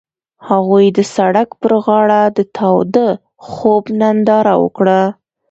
هغوی د سړک پر غاړه د تاوده خوب ننداره وکړه.